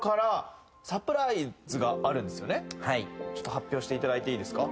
発表していただいていいですか？